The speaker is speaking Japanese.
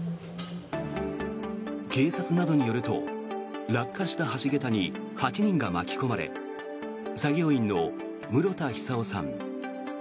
警察などによると落下した橋桁に８人が巻き込まれ作業員の室田久生さん